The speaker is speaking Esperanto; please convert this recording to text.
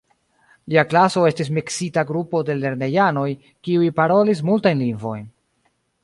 Lia klaso estis miksita grupo de lernejanoj, kiuj parolis multajn lingvojn.